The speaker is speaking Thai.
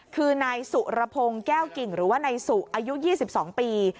คือนายสุรพงศ์แก้วกิ่งหรือว่านายสุอายุ๒๒ปี